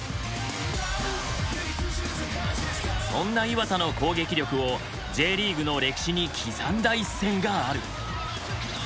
そんな磐田の攻撃力をＪリーグの歴史に刻んだ一戦がある。